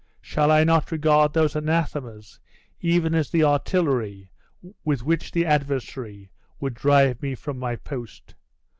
Shall I not regard those anathemas even as the artillery with which the adversary would drive me from my post?